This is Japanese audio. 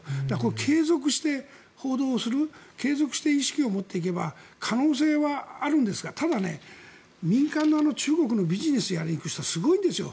継続して報道する継続して意識を持っていけば可能性はあるんですがただ、民間の中国のビジネスをやりに行く人はすごいんですよ。